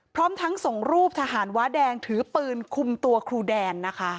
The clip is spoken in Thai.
พร้อมทั้งส่งรูปทหารว้าแดงถือปืนคุมตัวครูแดนนะคะ